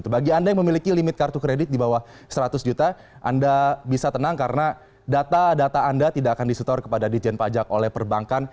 bagi anda yang memiliki limit kartu kredit di bawah seratus juta anda bisa tenang karena data data anda tidak akan disetor kepada dijen pajak oleh perbankan